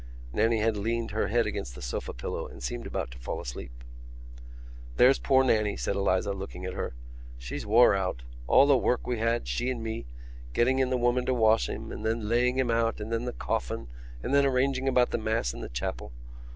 Nannie had leaned her head against the sofa pillow and seemed about to fall asleep. "There's poor Nannie," said Eliza, looking at her, "she's wore out. All the work we had, she and me, getting in the woman to wash him and then laying him out and then the coffin and then arranging about the Mass in the chapel.